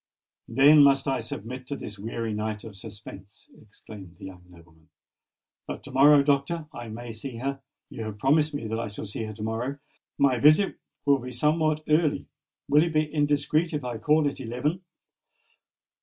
"Then must I submit to this weary night of suspense!" exclaimed the young nobleman. "But to morrow, Doctor, I may see her. You have promised that I shall see her to morrow! My visit will be somewhat early. Will it be indiscreet if I call at eleven?"